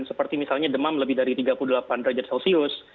seperti misalnya demam lebih dari tiga puluh delapan derajat celcius